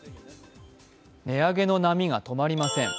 値上げの波が止まりません。